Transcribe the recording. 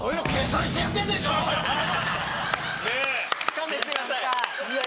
勘弁してください！